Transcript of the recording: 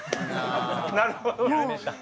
なるほどね！